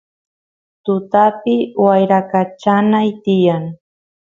tutapi wyrakachanay tiyan